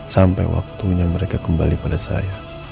sampai waktunya mereka kembali pada saya